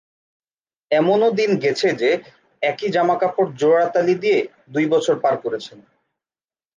এমনও দিন গেছে যে, একই জামা-কাপড় জোড়া তালি দিয়ে দুই বছর পার করেছেন।